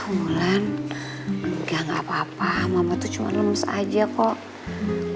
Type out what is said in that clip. mulan enggak enggak apa apa mama tuh cuma lemes aja kok